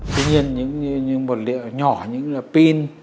tuy nhiên những một liệu nhỏ những là pin